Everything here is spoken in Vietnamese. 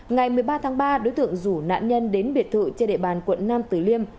ngày một mươi ba tháng ba đối tượng rủ nạn nhân đến biệt thự trên địa bàn quận nam tử liêm